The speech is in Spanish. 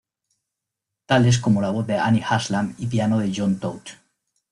Tales como la voz de Annie Haslam y piano de John Tout.